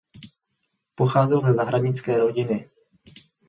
Pocházel ze zahradnické rodiny.